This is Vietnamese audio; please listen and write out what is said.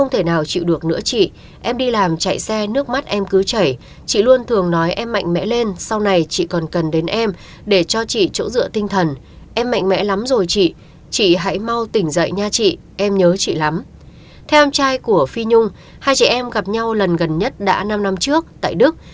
theo trai của phi nhung hai chị em gặp nhau lần gần nhất đã năm năm trước tại đức